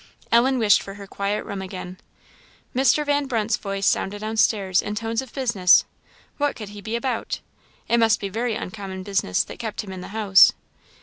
Ellen wished for her quiet room again. Mr. Van Brunt's voice sounded downstairs in tones of business; what could he be about? it must be very uncommon business that kept him in the house.